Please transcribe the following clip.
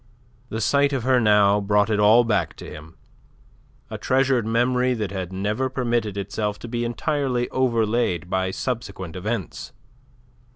The sight of her now brought it all back to him a treasured memory that had never permitted itself to be entirely overlaid by subsequent events.